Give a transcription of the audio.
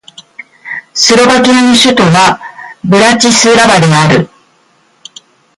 スロバキアの首都はブラチスラバである